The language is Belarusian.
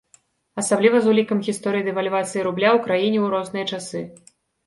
Асабліва з улікам гісторый дэвальвацыі рубля ў краіне ў розныя часы.